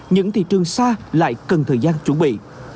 những thị trường xa lại cần thời gian chuẩn bị